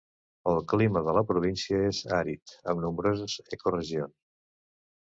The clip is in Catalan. El clima de la província és àrid, amb nombroses eco-regions.